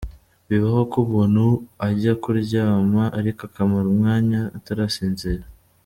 Bibaho ko umuntu ajya kuryama ariko akamara umwanya atarasinzira.